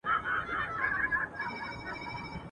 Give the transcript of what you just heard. ما به ولي بې گناه خلک وژلاى.